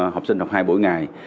học sinh học hai buổi ngày